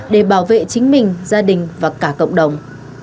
để bảo vệ chính mình gia đình và cả cộng đồng